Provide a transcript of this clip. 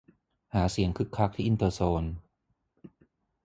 หาเสียงคึกคักที่อินเตอร์โซน